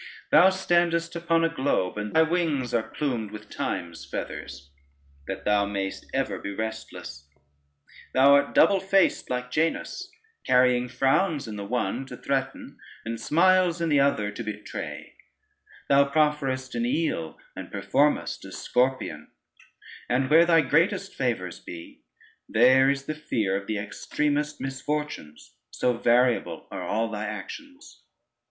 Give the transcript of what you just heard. Thou standest upon a globe, and thy wings are plumed with Time's feathers, that thou mayest ever be restless: thou art double faced like Janus, carrying frowns in the one to threaten, and smiles in the other to betray: thou profferest an eel, and performest a scorpion, and where thy greatest favors be, there is the fear of the extremest misfortunes, so variable are all thy actions.